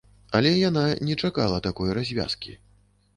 Але яна не чакала такой развязкі.